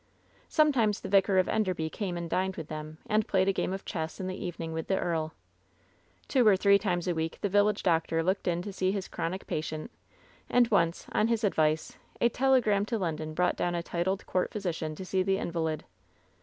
Sometimes the Vicar of Enderby came and dined with them, and played a game of chess in the evening with the earl. Two or three times a week the village doctor looked in to see his chronic patient, and once, on his ad vice, a telegram to London brought down a titled court physician to see the invalid.